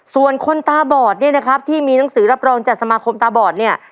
ส่วนคนตาบอดเนี่ยนะครับที่มีหนังสือรับรองจากสมาคมตาบอดเนี่ย